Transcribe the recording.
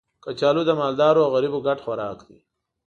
کچالو د مالدارو او غریبو ګډ خوراک دی